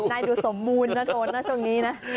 นายดูสมมูลนะโทนช่วงนี้นะ